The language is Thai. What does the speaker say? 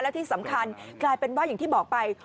และที่สำคัญกลายเป็นว่าอย่างที่บอกไป